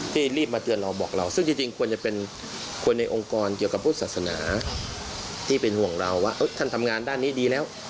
รีบมาเตือนเราบอกเราซึ่งจริงควรจะเป็นคนในองค์กรเกี่ยวกับพุทธศาสนาที่เป็นห่วงเราว่าท่านทำงานด้านนี้ดีแล้ว